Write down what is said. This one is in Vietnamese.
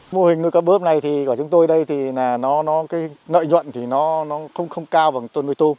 mô hình nuôi cá bớp này của chúng tôi đây thì nợ nhuận không cao bằng tôm nuôi tôm